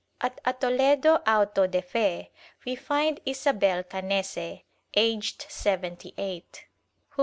At a Toledo auto de fe we find Isabel Canese, aged seventy eight.